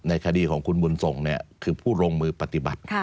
ในคดีของคุณบุญทรงเนี่ยคือผู้โรงมือปฏิบัติ